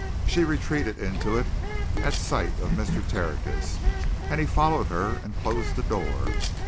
She retreated into it at sight of Mr. Tertius, and he followed her and closed the door.